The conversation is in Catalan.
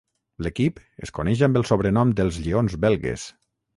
L'equip es coneix amb el sobrenom dels Lleons Belgues.